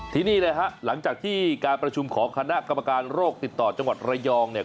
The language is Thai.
ที่นี่เลยฮะหลังจากที่การประชุมของคณะกรรมการโรคติดต่อจังหวัดระยองเนี่ย